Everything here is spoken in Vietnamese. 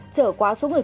chở quá số người